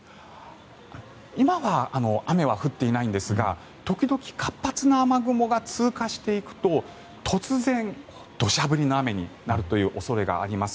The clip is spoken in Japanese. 今は雨は降っていないんですが時々、活発な雨雲が通過していくと突然、土砂降りの雨になるという恐れがあります。